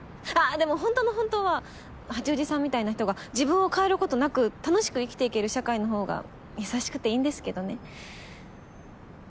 でもほんとの本当は八王子さんみたいな人が自分を変えることなく楽しく生きていける社会のほうが優しくていいんですけどね。